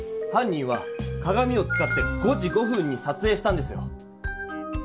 犯人はかがみを使って５時５分にさつえいしたんですよ。